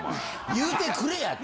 言うてくれやって。